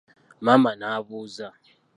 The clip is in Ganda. Maama n'abuuza.